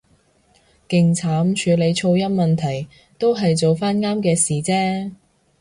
勁慘處理噪音問題，都係做返啱嘅事啫